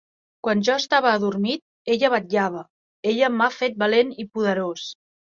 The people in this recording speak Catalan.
Quan jo estava adormit, ella vetllava; ella m’ha fet valent i poderós.